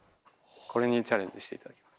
これにチャレンジしていただきます。